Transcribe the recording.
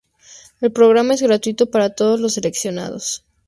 El programa es gratuito para todos los seleccionados.